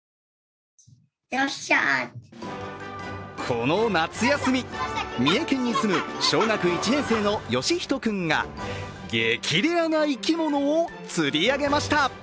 この夏休み、三重県に住む小学１年生の義仁君が激レアな生き物を釣り上げました。